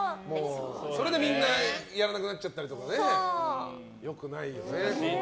それでみんなやらなくなっちゃったりとかねよくないよね。